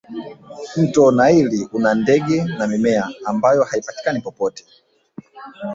mto naili una ndege na mimea ambayo haipatikani popote